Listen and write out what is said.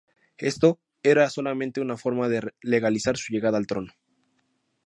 Esto era solamente una forma de legalizar su llegada al trono.